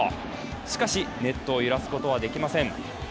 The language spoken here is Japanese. しかし、ネットを揺らすことはできません。